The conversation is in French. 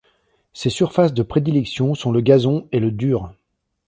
Ses surfaces de prédilection sont le gazon et le dur.